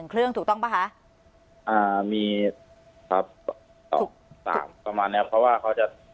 ๑เครื่องถูกต้องป่ะคะมีครับสามกว่ามาเนี้ยเพราะว่าเขาจะ